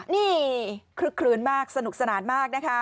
นี่คลึกคลื้นมากสนุกสนานมากนะคะ